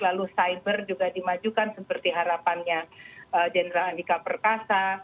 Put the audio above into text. lalu cyber juga dimajukan seperti harapannya jenderal andika perkasa